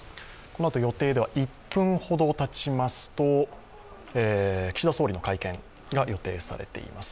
このあと予定では１分ほどたちますと岸田総理の会見が予定されています。